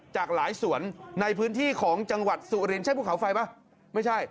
จากหลายสวนในพื้นที่ของจังหวัดสุรินใช่ภูเขาไฟป่ะไม่ใช่